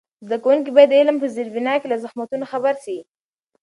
زده کوونکي باید د علم په زېربنا کې له زحمتونو خبر سي.